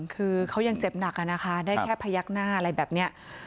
คือเขายังเจ็บหนักอะนะคะได้แค่พยักหน้าอะไรแบบนี้